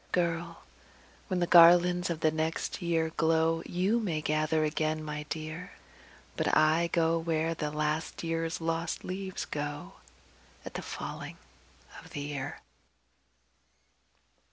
Girl! when the garlands of next year glow, YOU may gather again, my dear But I go where the last year's lost leaves go At the falling of the year."